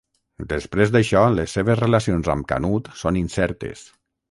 Després d'això, les seves relacions amb Canut són incertes.